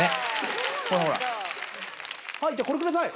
はいじゃあこれください！